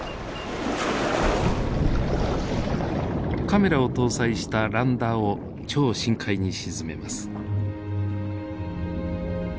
カメラを搭載したランダーを超深海に沈めます。